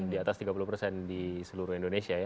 di atas tiga puluh persen di seluruh indonesia ya